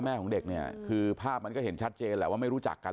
ของเด็กเนี่ยคือภาพมันก็เห็นชัดเจนแหละว่าไม่รู้จักกัน